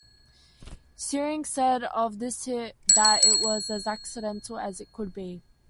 Shearing said of this hit that it was as accidental as it could be.